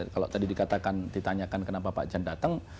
kalau tadi dikatakan ditanyakan kenapa pak jan datang